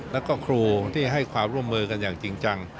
แล้วก็ครูที่ให้ความร่วมมือกันอย่างจริงจัง